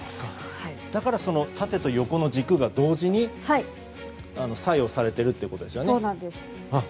だから、その縦と横の軸が同時に作用されているということですよね。